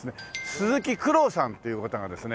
鈴木九郎さんというお方がですね